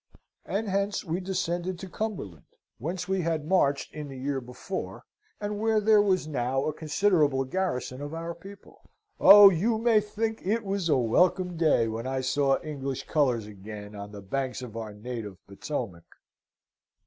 "And hence we descended to Cumberland, whence we had marched in the year before, and where there was now a considerable garrison of our people. Oh! you may think it was a welcome day when I saw English colours again on the banks of our native Potomac!"